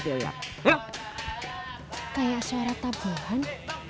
kayak suara tabuhan